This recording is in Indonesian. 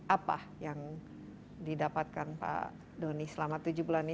apa yang didapatkan pak doni selama tujuh bulan ini